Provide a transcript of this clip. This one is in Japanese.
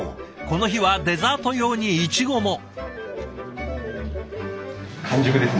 この日はデザート用にいちごも。